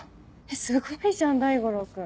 すごいじゃん大五郎くん。